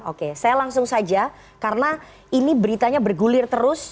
oke saya langsung saja karena ini beritanya bergulir terus